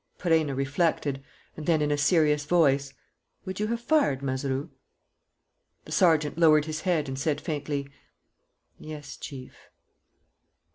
Perenna reflected; and then, in a serious voice: "Would you have fired, Mazeroux?" The sergeant lowered his head and said faintly: "Yes, Chief."